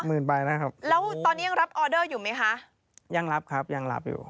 หมื่นใบนะครับแล้วตอนนี้ยังรับออเดอร์อยู่ไหมคะยังรับครับยังรับอยู่